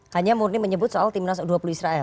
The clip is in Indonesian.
hanya murni menyebut soal timnas u dua puluh israel